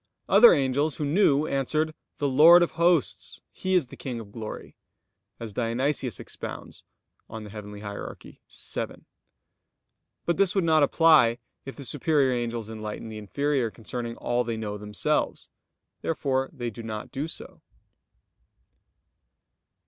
other angels, who knew, answered: "The Lord of Hosts, He is the King of glory," as Dionysius expounds (Coel. Hier. vii). But this would not apply if the superior angels enlightened the inferior concerning all they know themselves. Therefore they do not do so.